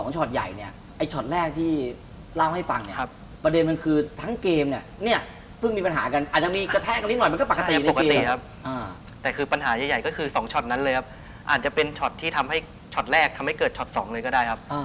มาดูกัน๒ช็อตใหญ่เนี่ยไอ้ช็อตแรกที่เล่าให้ฟังครับประเด็นมันคือทั้งเกมเนี่ยเนี่ยเพิ่งมีปัญหากันอาจจะมีกระแทกนิดหน่อยมันก็ปกตินะครับแต่คือปัญหาใหญ่ก็คือ๒ช็อตนั้นเลยครับอาจจะเป็นช็อตที่ทำให้ช็อตแรกทำให้เกิดช็อต๒เลยก็ได้ครับ